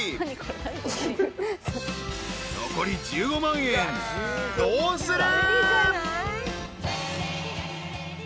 ［残り１５万円どうする？］